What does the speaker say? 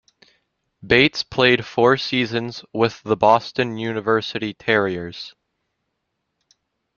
Bates played four seasons with the Boston University Terriers.